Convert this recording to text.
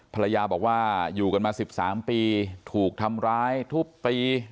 ภรรยาบอกว่าอยู่กันมา๑๓ปีถูกทำร้ายทุบตี